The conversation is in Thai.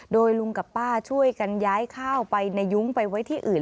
โดยลุงกับป้าช่วยกันย้ายข้าวไปในยุ้งไปไว้ที่อื่น